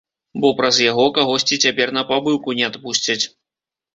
Бо праз яго кагосьці цяпер на пабыўку не адпусцяць.